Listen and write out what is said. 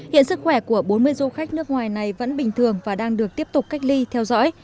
hiện sức khỏe của bốn mươi du khách nước ngoài này vẫn bình thường và đang được tiếp tục cách ly theo dõi